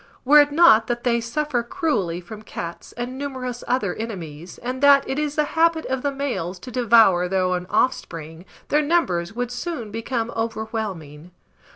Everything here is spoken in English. Were it not that they suffer cruelly from cats, and numerous other enemies, and that it is the habit of the males to devour their own offspring, their numbers would soon become overwhelming.